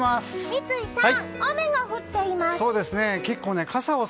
三井さん、雨が降っています。